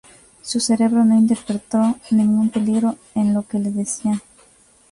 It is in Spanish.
Su cerebro no interpretó ningún peligro en lo que le decían.